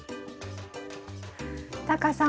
タカさん